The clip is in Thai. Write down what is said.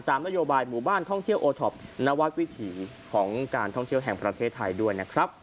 นโยบายหมู่บ้านท่องเที่ยวโอท็อปนวักวิถีของการท่องเที่ยวแห่งประเทศไทยด้วยนะครับ